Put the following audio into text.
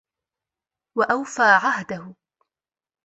وَأَوْفَى عَهْدَهُ